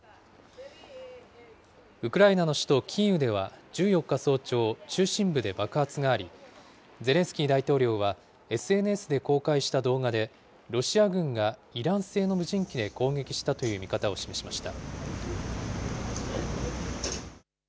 ウクライナの首都キーウでは、１４日早朝、中心部で爆発があり、ゼレンスキー大統領は、ＳＮＳで公開した動画で、ロシア軍がイラン製の無人機で攻撃したという見方を示しました。